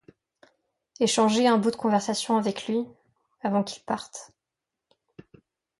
Échanger un bout de conversation avec lui, avant qu’il parte...